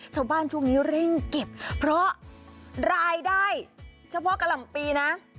ช่วงนี้เร่งเก็บเพราะรายได้เฉพาะกะหล่ำปีนะ